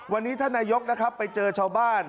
วันนี้ท่านนายกนะครับไปเจอชาวบ้าน